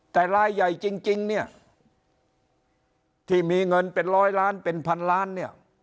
แต่รายใหญ่จริงเนี่ยที่มีเงินเป็นร้อยล้านเป็นพันล้านเนี่ย